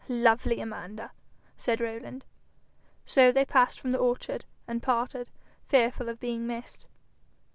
'Lovely Amanda!' said Rowland. So they passed from the orchard and parted, fearful of being missed.